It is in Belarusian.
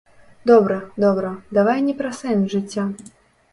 Добра, добра, давай не пра сэнс жыцця.